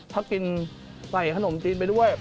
ถ้ากินใส่ขนมจีนไปด้วย